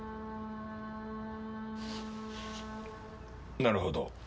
なるほど。